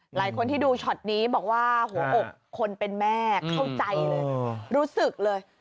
หลายคนที่ดูช็อตนี้บอกว่าหัวอกคนเป็นแม่เข้าใจเลยรู้สึกเลย